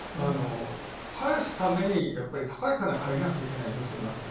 返すためにやっぱり高いお金、借りないといけない状況になっている。